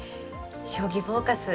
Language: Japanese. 「将棋フォーカス」